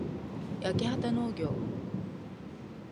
やきはたのうぎょう